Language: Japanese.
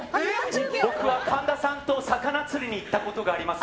僕は神田さんと魚釣りに行ったことがあります。